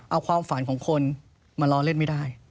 เอาความฝันของคนมาล้อเล่นไม่ได้